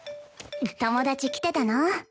友達来てたの？